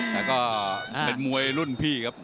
แต่ก็เป็นมวยรุ่นพี่ครับ